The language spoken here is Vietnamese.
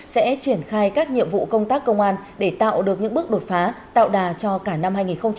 sẽ triển khai các nhiệm vụ công tác công an để tạo được những bước đột phá tạo đà cho cả năm hai nghìn hai mươi ba